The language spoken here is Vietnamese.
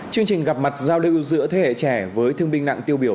chương trình gặp mặt giao lưu giữa thế hệ trẻ với thương binh nặng tiêu biểu